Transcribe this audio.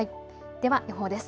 では予報です。